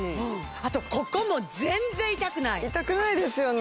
あとここも全然痛くない痛くないですよね